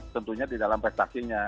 tentunya di dalam prestasinya